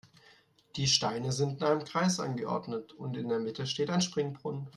Die Steine sind in einem Kreis angeordnet und in der Mitte steht ein Springbrunnen.